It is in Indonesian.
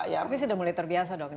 tapi sudah mulai terbiasa dong